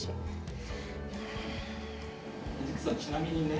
ちなみにね。